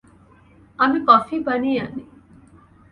আমি কফি বানিয়ে আনি।